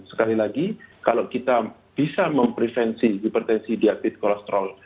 sekali lagi kalau kita bisa memprevensi hipertensi diaktif kolesterol